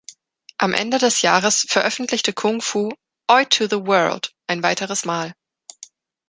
Am Ende des Jahres veröffentlichte Kung Fu „Oi to the World!“ ein weiteres Mal.